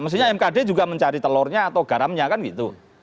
mestinya mkd juga mencari telurnya atau garamnya kan gitu